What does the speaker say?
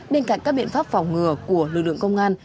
bên cạnh các biện pháp phòng ngừa của lực lượng công an